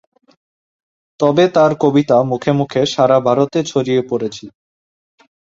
তবে তাঁর কবিতা মুখে মুখে সারা ভারতে ছড়িয়ে পড়েছিল।